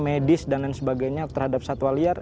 medis dan lain sebagainya terhadap satwa liar